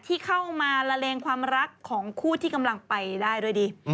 ที่เข้ามาละเลงความรักของคู่ที่กำลังไปได้ด้วยดี